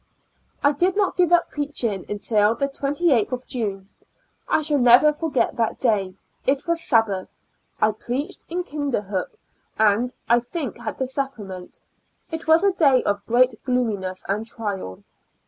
I did not give up preaching until the 28th of June. I shall never forget that day ; it was Sabbath ; I preached in Kinderhook, and, I think, had the Sacrament j it was a day of great gloominess and trial.